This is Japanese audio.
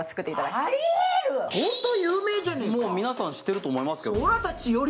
もう皆さん知ってると思いますよ